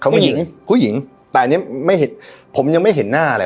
เขามายืนผู้หญิงผู้หญิงแต่อันเนี้ยไม่เห็นผมยังไม่เห็นหน้าอะไร